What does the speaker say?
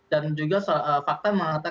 dan juga fakta mengatakan